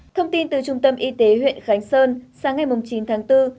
thông tin từ trung tâm y tế huyện khánh sơn sáng ngày chín tháng bốn